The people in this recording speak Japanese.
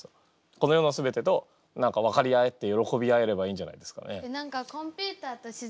この世の全てと何か分かり合えてよろこび合えればいいんじゃないですかね。